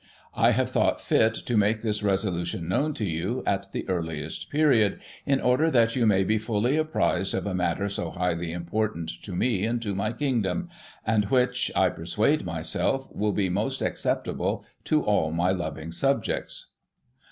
" I have thought fit to make this resolution known to you, at the earliest period, in order that you may be fully apprised of a matter so highly important to me and to my Kingdom, and which, I persuade myself, will be most acceptable to all my loving subjects."